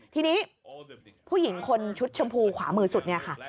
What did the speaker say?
ทีนี้ผู้หญิงคนชุดชมพูขวามือสุดเนี่ยค่ะ